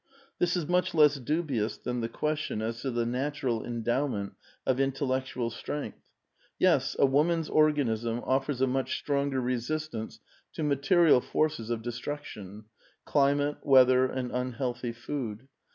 ^^This is much less dubious than the question as to the natural endowment of intellectual strength. Yes, a woman's organism offers a much stronger resistance to material forces of destiTiction, — climate, weather, and unhealthy food.